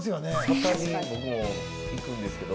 サ旅僕も行くんですけど。